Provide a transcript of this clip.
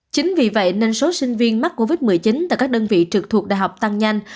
chính vì vậy nên số sinh viên mắc covid một mươi chín tại các đơn vị trực thuộc đại học tăng nhanh